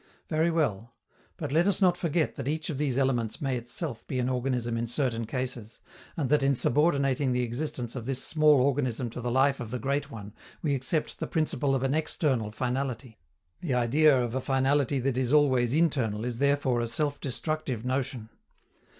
Very well, but let us not forget that each of these elements may itself be an organism in certain cases, and that in subordinating the existence of this small organism to the life of the great one we accept the principle of an external finality. The idea of a finality that is always internal is therefore a self destructive notion.